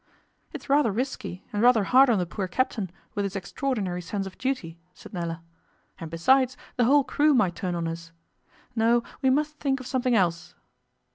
'It's rather risky, and rather hard on the poor captain, with his extraordinary sense of duty,' said Nella. 'And, besides, the whole crew might turn on us. No, we must think of something else.